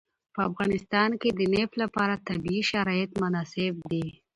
په افغانستان کې د نفت لپاره طبیعي شرایط مناسب دي.